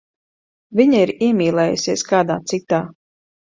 Viņa ir iemīlējusies kādā citā.